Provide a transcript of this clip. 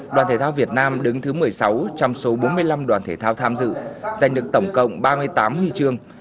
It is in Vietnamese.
đoàn thể thao việt nam đứng thứ một mươi sáu trong số bốn mươi năm đoàn thể thao tham dự giành được tổng cộng ba mươi tám huy chương